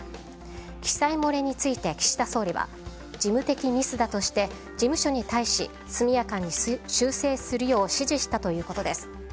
記載漏れについて岸田総理は事務的ミスだとして事務所に対し速やかに修正するよう指示したということです。